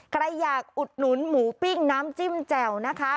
ใครอยากอุดหนุนหมูปิ้งน้ำจิ้มแจ่วนะคะ